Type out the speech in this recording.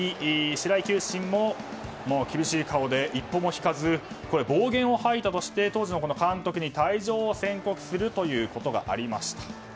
白井球審も厳しい顔で一歩も引かず暴言を吐いたとして当時の監督に退場を宣告するということがありました。